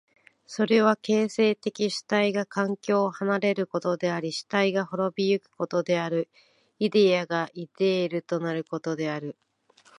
それは形成的主体が環境を離れることであり主体が亡び行くことである、イデヤがイデールとなることである。